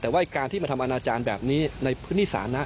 แต่ว่าการที่มาทำอนาจารย์แบบนี้ในพื้นที่สาธารณะ